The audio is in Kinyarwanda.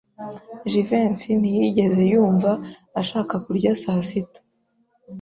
Jivency ntiyigeze yumva ashaka kurya saa sita.